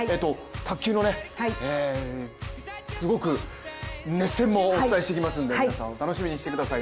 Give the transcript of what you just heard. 卓球のすごく熱戦もお伝えしていきますので皆さん楽しみにしていてください。